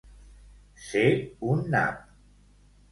Ser un nap.